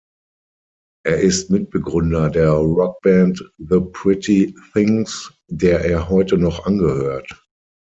Er ist Mitbegründer der Rockband The Pretty Things, der er heute noch angehört.